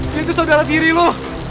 dia tuh saudara tiri lo